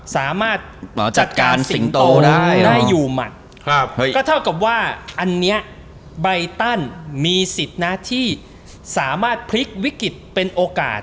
สามารถจัดการสิงโตได้ได้อยู่หมัดก็เท่ากับว่าอันนี้ใบตันมีสิทธิ์นะที่สามารถพลิกวิกฤตเป็นโอกาส